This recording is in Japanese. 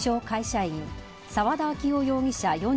会社員、澤田明雄容疑者